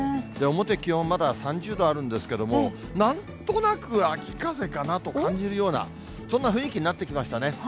表、気温まだ３０度あるんですけれども、なんとなく秋風かなと感じるような、そんな雰囲気になってきましたね。